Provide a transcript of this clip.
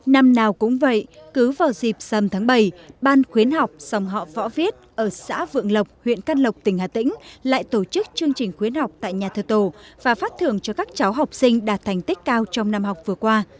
năm nào cũng vậy cứ vào dịp sầm tháng bảy ban khuyến học sòng họ võ viết ở xã vượng lộc huyện căn lộc tỉnh hà tĩnh lại tổ chức chương trình khuyến học tại nhà thờ tổ và phát thưởng cho các cháu học sinh đạt thành tích cao trong năm học vừa qua